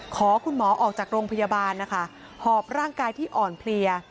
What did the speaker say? ขอคุณหมอออกจากโรงพยาบาลนะคะหอบร่างกายที่อ่อนเพลีย